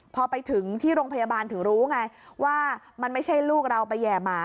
พอไปถึงที่โรงพยาบาลถึงรู้ไงว่ามันไม่ใช่ลูกเราไปแห่หมา